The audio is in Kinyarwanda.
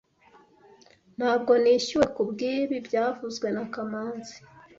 Ntabwo nishyuwe kubwibi byavuzwe na kamanzi